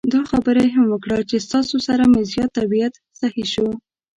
دا خبره یې هم وکړه چې ستاسو سره مې زیات طبعیت سهی شو.